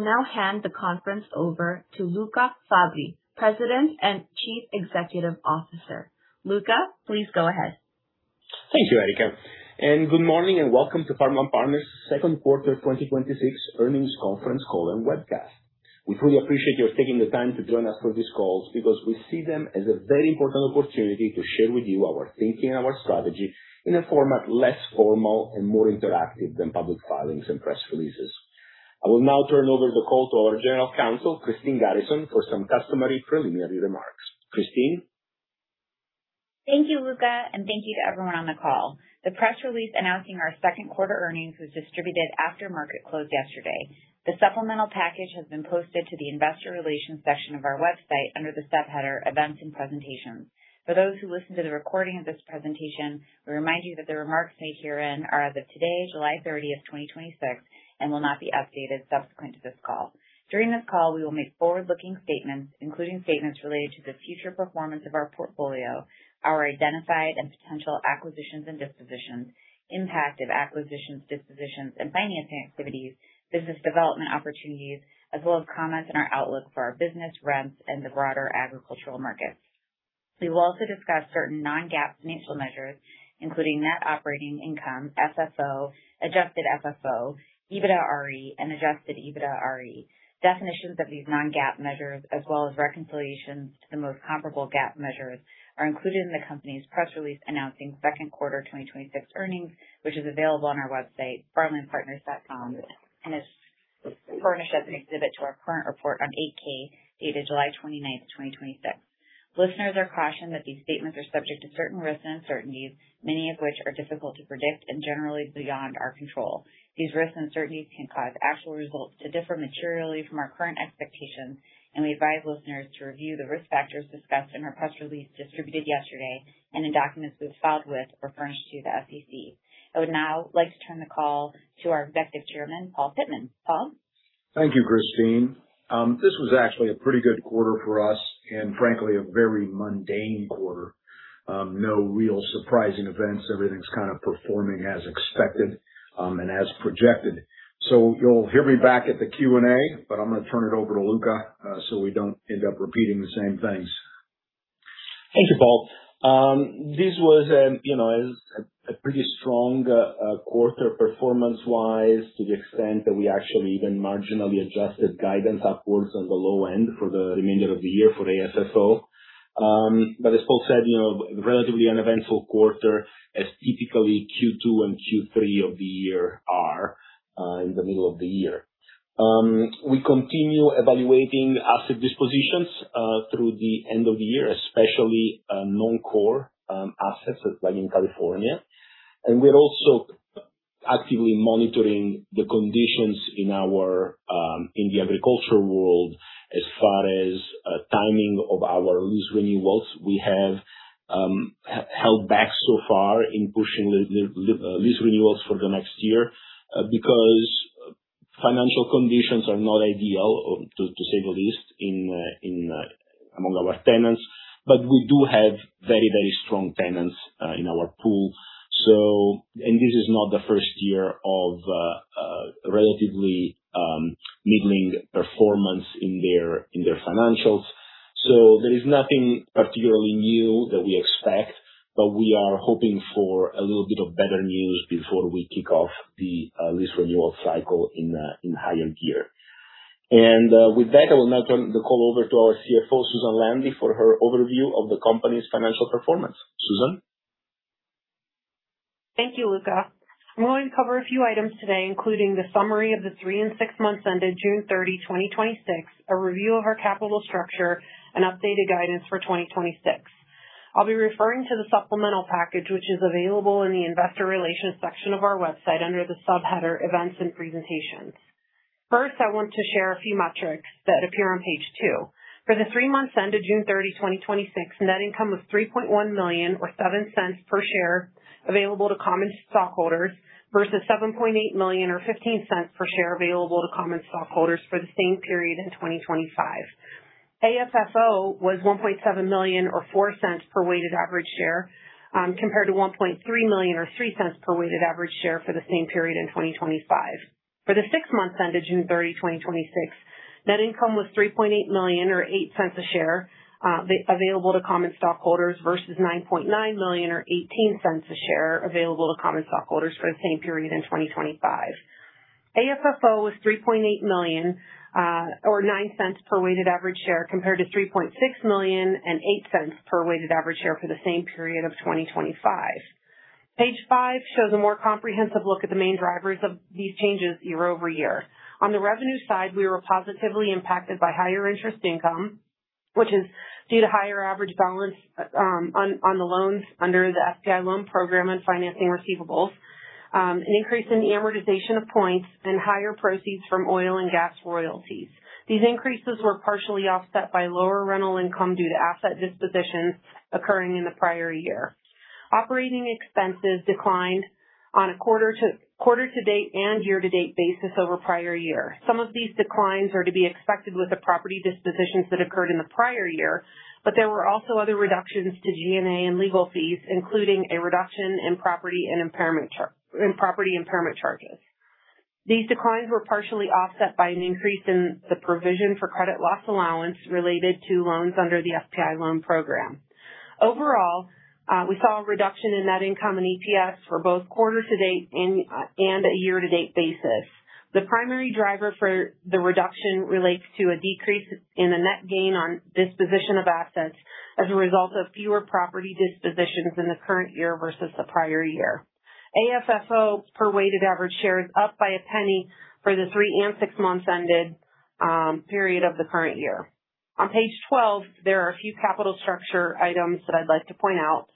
I will now hand the conference over to Luca Fabbri, President and Chief Executive Officer. Luca, please go ahead. Thank you, Erica. Good morning and welcome to Farmland Partners' second quarter 2026 earnings conference call and webcast. We fully appreciate your taking the time to join us for these calls because we see them as a very important opportunity to share with you our thinking and our strategy in a format less formal and more interactive than public filings and press releases. I will now turn over the call to our General Counsel, Christine Garrison, for some customary preliminary remarks. Christine. Thank you, Luca. Thank you to everyone on the call. The press release announcing our second quarter earnings was distributed after market close yesterday. The supplemental package has been posted to the investor relations section of our website under the subheader Events and Presentations. For those who listen to the recording of this presentation, we remind you that the remarks made herein are as of today, July 30th, 2026, and will not be updated subsequent to this call. During this call, we will make forward-looking statements, including statements related to the future performance of our portfolio, our identified and potential acquisitions and dispositions, impact of acquisitions, dispositions, and financing activities, business development opportunities, as well as comments on our outlook for our business rents and the broader agricultural markets. We will also discuss certain non-GAAP financial measures, including net operating income, AFFO, adjusted AFFO, EBITDAre, and adjusted EBITDAre. Definitions of these non-GAAP measures, as well as reconciliations to the most comparable GAAP measures, are included in the company's press release announcing second quarter 2026 earnings, which is available on our website, farmlandpartners.com, and is furnished as an exhibit to our current report on 8-K dated July 29th, 2026. Listeners are cautioned that these statements are subject to certain risks and uncertainties, many of which are difficult to predict and generally beyond our control. These risks and uncertainties can cause actual results to differ materially from our current expectations. We advise listeners to review the risk factors discussed in our press release distributed yesterday and in documents we've filed with or furnished to the SEC. I would now like to turn the call to our Executive Chairman, Paul Pittman. Paul. Thank you, Christine. This was actually a pretty good quarter for us and frankly, a very mundane quarter. No real surprising events. Everything's kind of performing as expected, and as projected. You'll hear me back at the Q&A, but I'm going to turn it over to Luca, so we don't end up repeating the same things. Thank you, Paul. This was a pretty strong quarter performance-wise to the extent that we actually even marginally adjusted guidance upwards on the low end for the remainder of the year for AFFO. As Paul said, relatively uneventful quarter as typically Q2 and Q3 of the year are, in the middle of the year. We continue evaluating asset dispositions through the end of the year, especially non-core assets like in California. We're also actively monitoring the conditions in the agriculture world as far as timing of our lease renewals. We have held back so far in pushing lease renewals for the next year because financial conditions are not ideal, to say the least, among our tenants. We do have very strong tenants in our pool. This is not the first year of relatively middling performance in their financials. There is nothing particularly new that we expect, but we are hoping for a little bit of better news before we kick off the lease renewal cycle in high end gear. With that, I will now turn the call over to our CFO, Susan Landi, for her overview of the company's financial performance. Susan. Thank you, Luca. I'm going to cover a few items today, including the summary of the three and six months ended June 30, 2026, a review of our capital structure, and updated guidance for 2026. I'll be referring to the supplemental package, which is available in the investor relations section of our website under the subheader Events and Presentations. First, I want to share a few metrics that appear on page two. For the three months ended June 30, 2026, net income was $3.1 million or $0.07 per share available to common stockholders versus $7.8 million or $0.15 per share available to common stockholders for the same period in 2025. AFFO was $1.7 million or $0.04 per weighted average share, compared to $1.3 million or $0.03 per weighted average share for the same period in 2025. For the six months ended June 30, 2026, net income was $3.8 million or $0.08 a share available to common stockholders versus $9.9 million or $0.18 a share available to common stockholders for the same period in 2025. AFFO was $3.8 million or $0.09 per weighted average share compared to $3.6 million and $0.08 per weighted average share for the same period of 2025. Page five shows a more comprehensive look at the main drivers of these changes year-over-year. On the revenue side, we were positively impacted by higher interest income, which is due to higher average balance on the loans under the FPI loan program and financing receivables, an increase in the amortization of points, and higher proceeds from oil and gas royalties. These increases were partially offset by lower rental income due to asset dispositions occurring in the prior year. Operating expenses declined on a quarter-to-date and year-to-date basis over prior year. Some of these declines are to be expected with the property dispositions that occurred in the prior year, but there were also other reductions to G&A and legal fees, including a reduction in property impairment charges. These declines were partially offset by an increase in the provision for credit loss allowance related to loans under the FPI loan program. Overall, we saw a reduction in net income and EPS for both quarter-to-date and a year-to-date basis. The primary driver for the reduction relates to a decrease in the net gain on disposition of assets as a result of fewer property dispositions in the current year versus the prior year. AFFO per weighted average share is up by a penny for the three and six months ended period of the current year. On Page 12, there are a few capital structure items that I'd like to point out.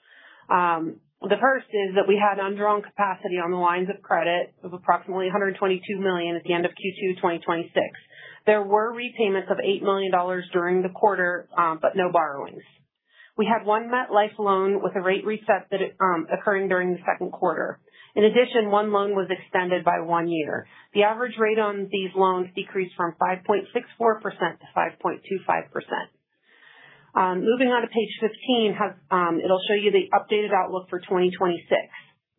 The first is that we had undrawn capacity on the lines of credit of approximately $122 million at the end of Q2 2026. There were repayments of $8 million during the quarter, but no borrowings. We had one MetLife loan with a rate reset occurring during the second quarter. In addition, one loan was extended by one year. The average rate on these loans decreased from 5.64%-5.25%. Moving on to Page 15, it'll show you the updated outlook for 2026.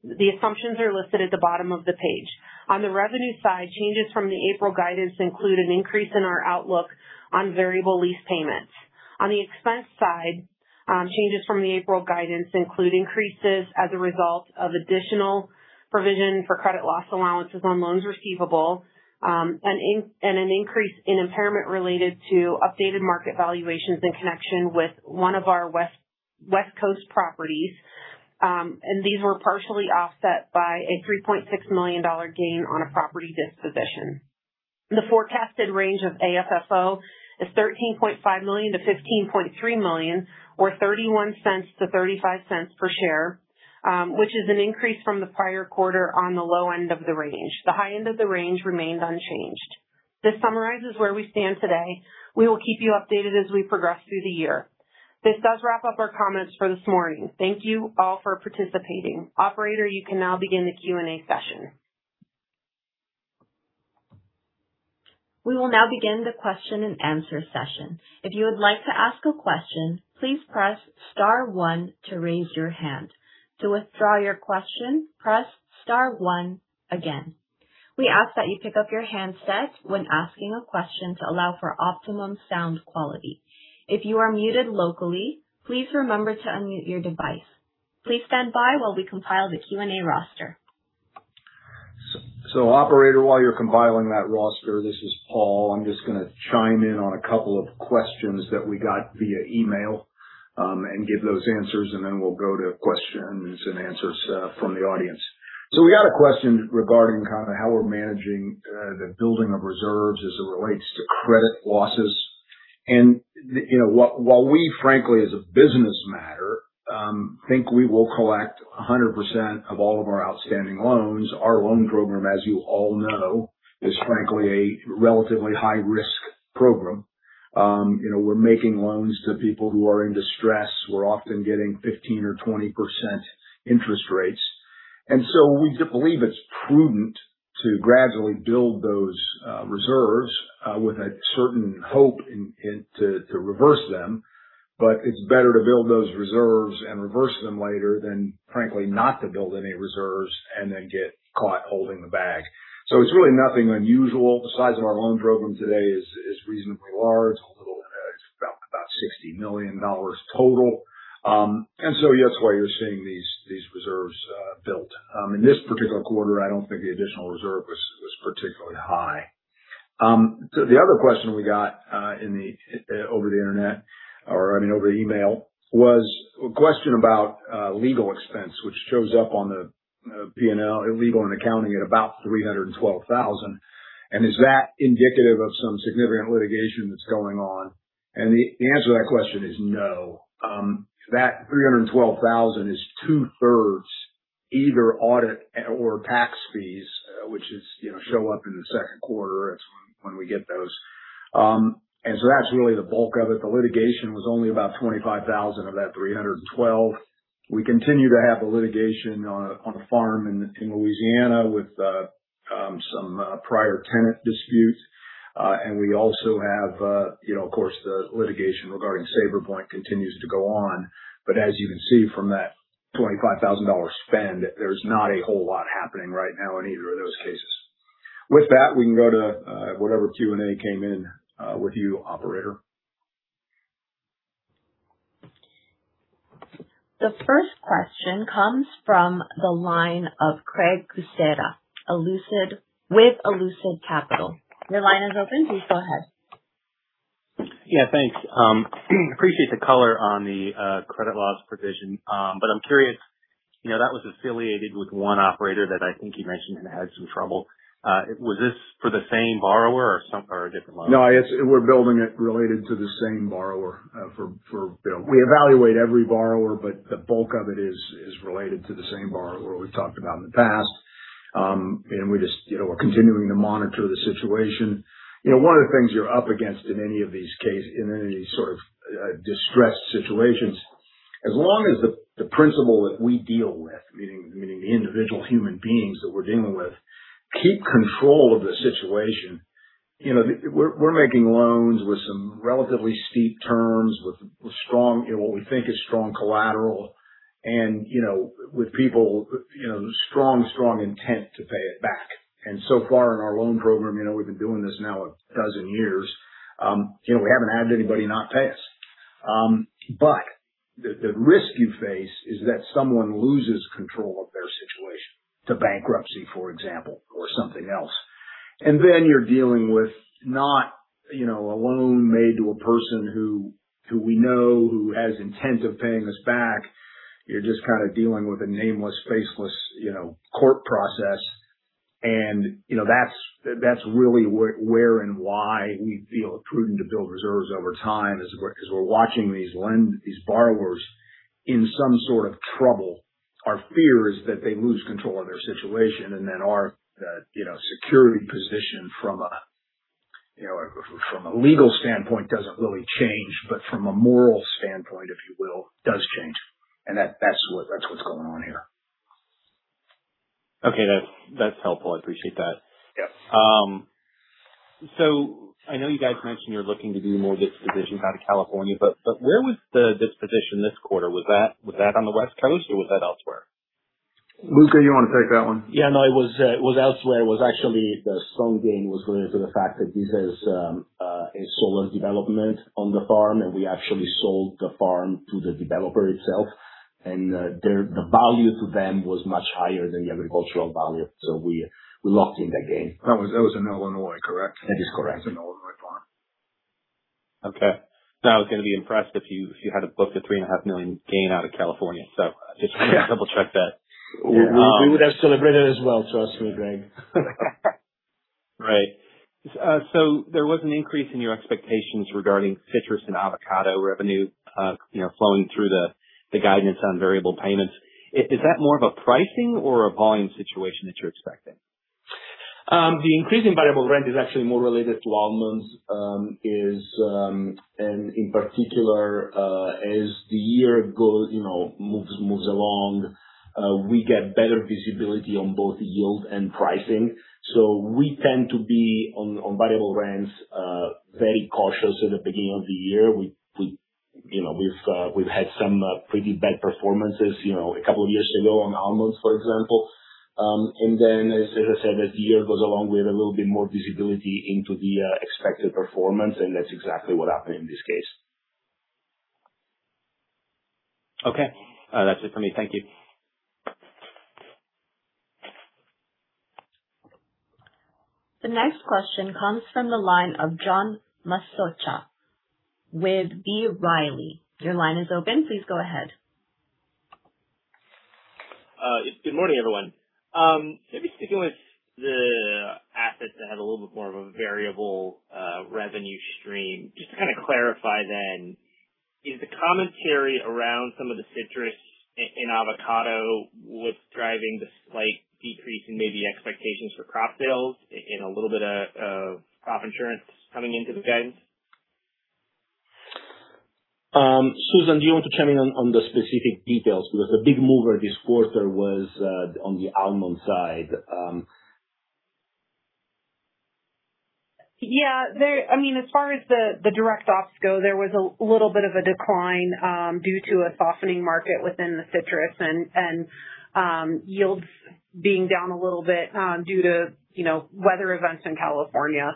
The assumptions are listed at the bottom of the page. On the revenue side, changes from the April guidance include an increase in our outlook on variable lease payments. On the expense side, changes from the April guidance include increases as a result of additional provision for credit loss allowances on loans receivable, and an increase in impairment related to updated market valuations in connection with one of our West Coast properties. These were partially offset by a $3.6 million gain on a property disposition. The forecasted range of AFFO is $13.5 million-$15.3 million or $0.31-$0.35 per share, which is an increase from the prior quarter on the low end of the range. The high end of the range remained unchanged. This summarizes where we stand today. We will keep you updated as we progress through the year. This does wrap up our comments for this morning. Thank you all for participating. Operator, you can now begin the Q&A session. We will now begin the question and answer session. If you would like to ask a question, please press star one to raise your hand. To withdraw your question, press star one again. We ask that you pick up your handset when asking a question to allow for optimum sound quality. If you are muted locally, please remember to unmute your device. Please stand by while we compile the Q&A roster. Operator, while you're compiling that roster, this is Paul. I'm just going to chime in on a couple of questions that we got via email, and give those answers, then we'll go to questions and answers from the audience. We got a question regarding kind of how we're managing the building of reserves as it relates to credit losses. While we frankly as a business matter, think we will collect 100% of all of our outstanding loans, our loan program, as you all know, is frankly a relatively high risk program. We're making loans to people who are in distress. We're often getting 15% or 20% interest rates. We believe it's prudent to gradually build those reserves with a certain hope to reverse them. It's better to build those reserves and reverse them later than frankly not to build any reserves and then get caught holding the bag. It's really nothing unusual. The size of our loan program today is reasonably large, a little about $60 million total. Yes, while you're seeing these reserves built. In this particular quarter, I don't think the additional reserve was particularly high. The other question we got over the email was a question about legal expense, which shows up on the P&L legal and accounting at about $312,000. Is that indicative of some significant litigation that's going on? The answer to that question is no. That $312,000 is two-thirds either audit or tax fees, which show up in the second quarter. That's when we get those. That's really the bulk of it. The litigation was only about $25,000 of that $312,000. We continue to have a litigation on a farm in Louisiana with some prior tenant disputes. We also have, of course, the litigation regarding Sabrepoint Capital continues to go on. As you can see from that $25,000 spend, there's not a whole lot happening right now in either of those cases. With that, we can go to whatever Q&A came in with you, operator. The first question comes from the line of Craig Kucera with Lucid Capital. Your line is open. Please go ahead. Yeah, thanks. Appreciate the color on the credit loss provision. I'm curious, that was affiliated with one operator that I think you mentioned and had some trouble. Was this for the same borrower or a different loan? No, we're building it related to the same borrower. We evaluate every borrower, but the bulk of it is related to the same borrower we've talked about in the past. We're continuing to monitor the situation. One of the things you're up against in any of these sort of distressed situations, as long as the principal that we deal with, meaning the individual human beings that we're dealing with, keep control of the situation. We're making loans with some relatively steep terms, with what we think is strong collateral and with people strong intent to pay it back. So far in our loan program, we've been doing this now a dozen years, we haven't had anybody not pay us. The risk you face is that someone loses control of their situation to bankruptcy, for example, or something else. Then you're dealing with not a loan made to a person who we know, who has intent of paying us back. You're just kind of dealing with a nameless, faceless court process. That's really where and why we feel it prudent to build reserves over time as we're watching these borrowers in some sort of trouble. Our fear is that they lose control of their situation and then our security position from a legal standpoint doesn't really change, but from a moral standpoint, if you will, does change. That's what's going on here. Okay. That's helpful. I appreciate that. Yeah. I know you guys mentioned you're looking to do more dispositions out of California, but where was the disposition this quarter? Was that on the West Coast or was that elsewhere? Luca, you want to take that one? Yeah, no, it was elsewhere. It was actually the strong gain was related to the fact that this is a solar development on the farm, and we actually sold the farm to the developer itself. The value to them was much higher than the agricultural value. We locked in that gain. That was in Illinois, correct? That is correct. It's an Illinois farm. Okay. No, I was going to be impressed if you had booked a $3.5 million gain out of California. Just wanted to double check that. We would have celebrated as well, trust me, Craig. Right. There was an increase in your expectations regarding citrus and avocado revenue flowing through the guidance on variable payments. Is that more of a pricing or a volume situation that you're expecting? The increase in variable rent is actually more related to almonds, and in particular as the year moves along, we get better visibility on both yield and pricing. We tend to be, on variable rents, very cautious at the beginning of the year. We've had some pretty bad performances a couple of years ago on almonds, for example. Then as I said, as the year goes along, we have a little bit more visibility into the expected performance, and that's exactly what happened in this case. Okay. That's it for me. Thank you. The next question comes from the line of John Massocca with B. Riley. Your line is open. Please go ahead. Good morning, everyone. Maybe sticking with the assets that have a little bit more of a variable revenue stream, just to kind of clarify then, is the commentary around some of the citrus and avocado what's driving the slight decrease in maybe expectations for crop sales and a little bit of crop insurance coming into the guidance? Susan, do you want to chime in on the specific details? The big mover this quarter was on the almond side. Yeah. As far as the direct offs go, there was a little bit of a decline due to a softening market within the citrus and yields being down a little bit due to weather events in California.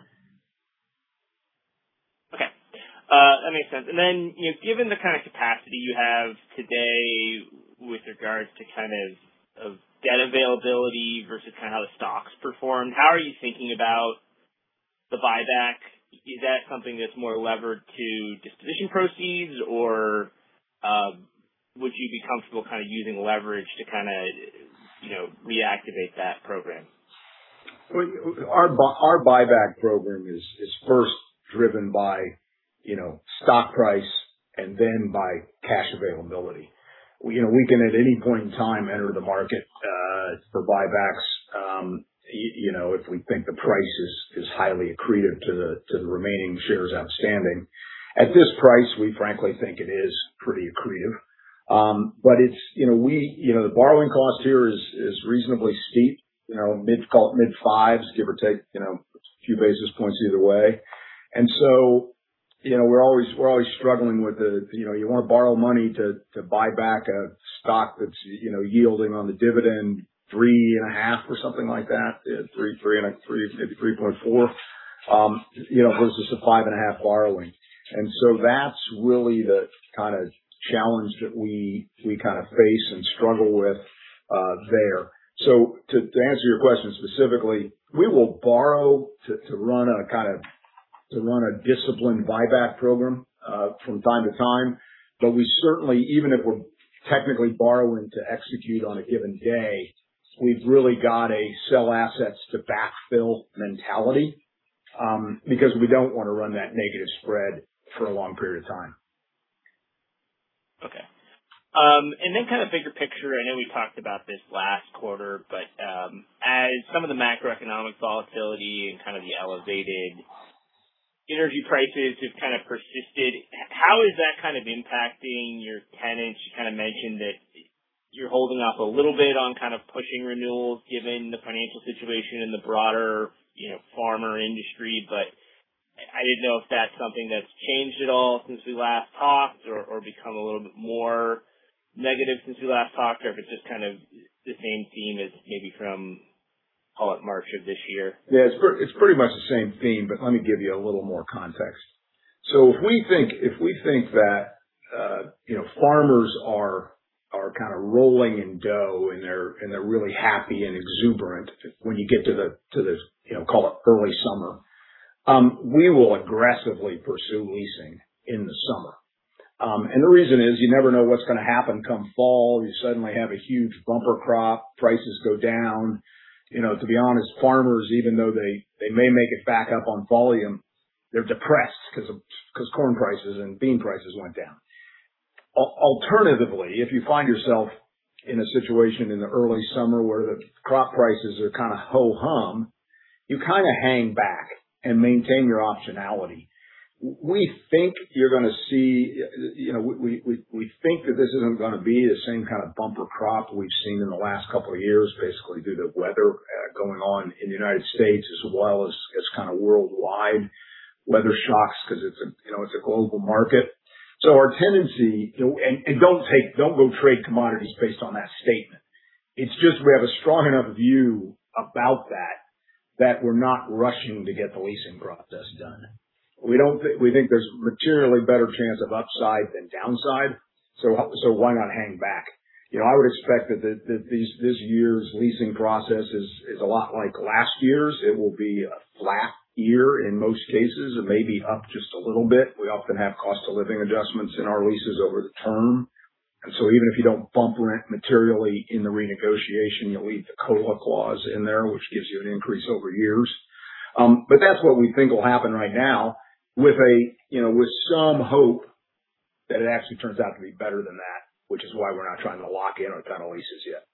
Okay. Then, given the kind of capacity you have today with regards to kind of debt availability versus how the stocks performed, how are you thinking about the buyback? Is that something that's more levered to disposition proceeds, or would you be comfortable using leverage to reactivate that program? Our buyback program is first driven by stock price then by cash availability. We can, at any point in time, enter the market for buybacks if we think the price is highly accretive to the remaining shares outstanding. At this price, we frankly think it is pretty accretive. The borrowing cost here is reasonably steep, mid-fives, give or take a few basis points either way. We're always struggling with it. You want to borrow money to buy back a stock that's yielding on the dividend three and a half or something like that, maybe 3.4, versus a five and a half borrowing. That's really the kind of challenge that we kind of face and struggle with there. To answer your question specifically, we will borrow to run a disciplined buyback program from time to time. We certainly, even if we're technically borrowing to execute on a given day, we've really got a sell assets to backfill mentality, because we don't want to run that negative spread for a long period of time. Okay. Then kind of bigger picture, I know we talked about this last quarter, as some of the macroeconomic volatility and kind of the elevated energy prices have kind of persisted. How is that kind of impacting your tenants? You kind of mentioned that you're holding up a little bit on kind of pushing renewals given the financial situation in the broader farmer industry. I didn't know if that's something that's changed at all since we last talked or become a little bit more negative since we last talked, or if it's just kind of the same theme as maybe from, call it March of this year. It's pretty much the same theme. Let me give you a little more context. If we think that farmers are kind of rolling in dough and they're really happy and exuberant when you get to the, call it, early summer, we will aggressively pursue leasing in the summer. The reason is, you never know what's going to happen come fall. You suddenly have a huge bumper crop. Prices go down. To be honest, farmers, even though they may make it back up on volume, they're depressed because corn prices and bean prices went down. Alternatively, if you find yourself in a situation in the early summer where the crop prices are kind of ho-hum, you kind of hang back and maintain your optionality. We think that this isn't going to be the same kind of bumper crop we've seen in the last couple of years, basically due to weather going on in the U.S. as well as kind of worldwide weather shocks because it's a global market. Don't go trade commodities based on that statement. It's just we have a strong enough view about that we're not rushing to get the leasing process done. We think there's materially better chance of upside than downside. Why not hang back? I would expect that this year's leasing process is a lot like last year's. It will be a flat year in most cases, and maybe up just a little bit. We often have cost of living adjustments in our leases over the term. Even if you don't bump rent materially in the renegotiation, you leave the COLA clause in there, which gives you an increase over years. That's what we think will happen right now with some hope that it actually turns out to be better than that, which is why we're not trying to lock in on a ton of leases yet.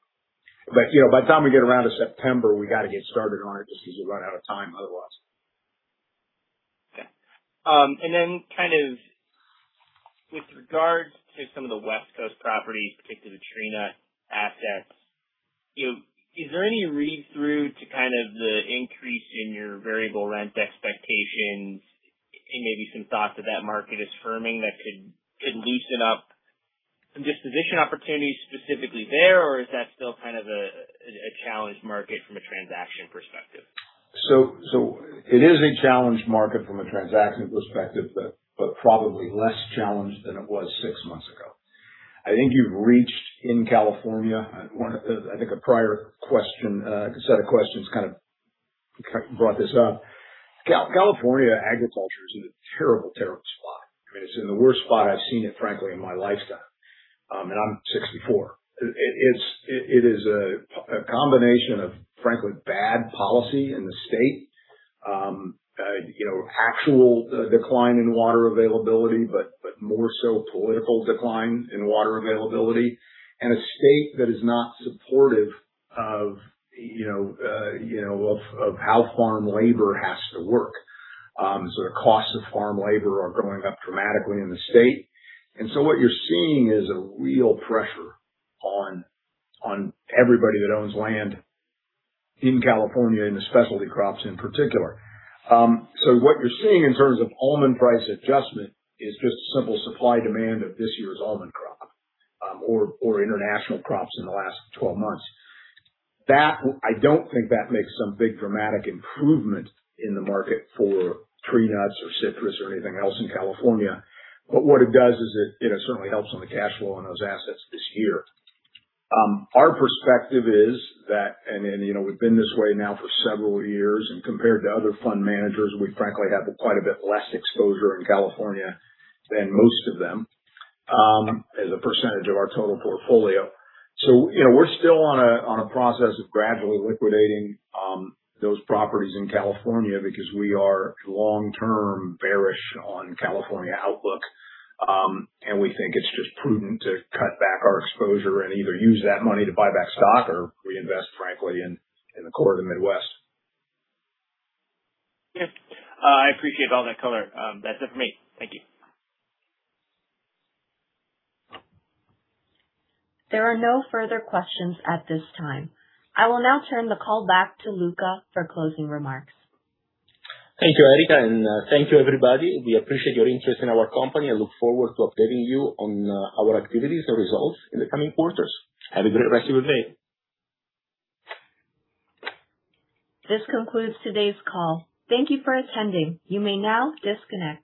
By the time we get around to September, we got to get started on it because you run out of time otherwise. Kind of with regards to some of the West Coast properties, particularly the tree nut assets, is there any read-through to kind of the increase in your variable rent expectations and maybe some thoughts that that market is firming that could loosen up some disposition opportunities specifically there? Or is that still kind of a challenged market from a transaction perspective? It is a challenged market from a transaction perspective, but probably less challenged than it was 6 months ago. I think you've reached in California, I think a prior set of questions kind of brought this up. California agriculture is in a terrible spot. I mean, it's in the worst spot I've seen it, frankly, in my lifetime. I'm 64. It is a combination of, frankly, bad policy in the state. Actual decline in water availability, but more so political decline in water availability and a state that is not supportive of how farm labor has to work. The costs of farm labor are going up dramatically in the state. What you're seeing is a real pressure on everybody that owns land in California, in the specialty crops in particular. What you're seeing in terms of almond price adjustment is just simple supply-demand of this year's almond crop or international crops in the last 12 months. I don't think that makes some big dramatic improvement in the market for tree nuts or citrus or anything else in California. What it does is it certainly helps on the cash flow on those assets this year. Our perspective is that, and we've been this way now for several years, and compared to other fund managers, we frankly have quite a bit less exposure in California than most of them, as a percentage of our total portfolio. We're still on a process of gradually liquidating those properties in California because we are long-term bearish on California outlook. We think it's just prudent to cut back our exposure and either use that money to buy back stock or reinvest, frankly, in the core of the Midwest. Yeah. I appreciate all that color. That's it for me. Thank you. There are no further questions at this time. I will now turn the call back to Luca for closing remarks. Thank you, Erica, and thank you everybody. We appreciate your interest in our company and look forward to updating you on our activities and results in the coming quarters. Have a great rest of your day. This concludes today's call. Thank you for attending. You may now disconnect.